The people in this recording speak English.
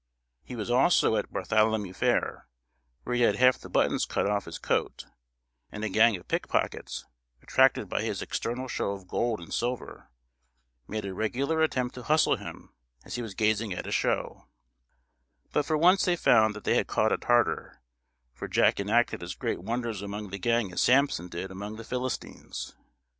He was also at Bartholomew fair, where he had half the buttons cut off his coat; and a gang of pick pockets, attracted by his external show of gold and silver, made a regular attempt to hustle him as he was gazing at a show; but for once they found that they had caught a tartar, for Jack enacted as great wonders among the gang as Samson did among the Philistines.